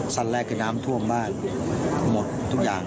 ขั้นแรกคือน้ำท่วมมากหมดทุกอย่าง